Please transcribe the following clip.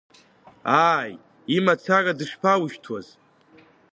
Ааи, имацара дышԥоушьҭуаз!